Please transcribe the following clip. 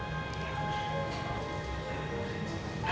ya makasih ya